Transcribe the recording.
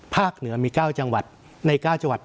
เหนือมี๙จังหวัดใน๙จังหวัด